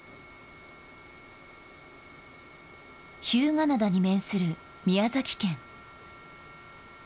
日向灘に面する宮崎県。